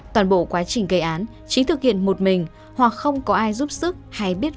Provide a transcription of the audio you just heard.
toàn bộ quá trình gây án trí thực hiện một mình hoặc không có ai giúp sức hay biết